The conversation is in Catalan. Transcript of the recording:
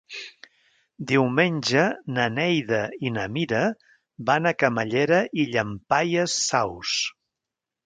Diumenge na Neida i na Mira van a Camallera i Llampaies Saus.